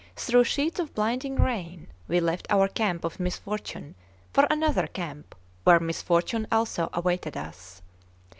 Through sheets of blinding rain we left our camp of misfortune for another camp where misfortune also awaited us.